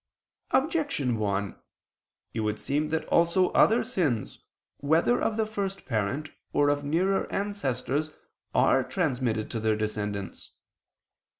Objection 1: It would seem that also other sins, whether of the first parent or of nearer ancestors, are transmitted to their descendants.